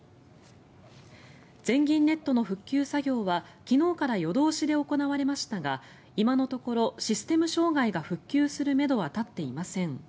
全銀ネットの復旧作業は昨日から夜通しで行われましたが今のところシステム障害が復旧するめどは立っていません。